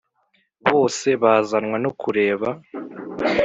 Bose bazanwa no kureba